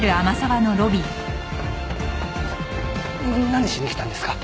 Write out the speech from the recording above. な何しに来たんですか？